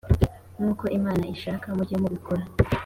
nk uko Imana ishaka mujye mubikora